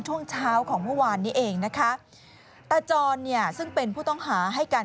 ช่วงเช้าของเมื่อวานนี้เองนะคะตาจรเนี่ยซึ่งเป็นผู้ต้องหาให้การ